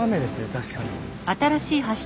確かに。